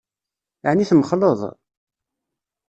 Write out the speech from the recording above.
Ɛni temxelleḍ?